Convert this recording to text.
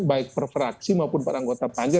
baik per fraksi maupun para anggota panja